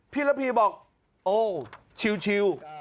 พี่ระพีบอกโอ้วชิล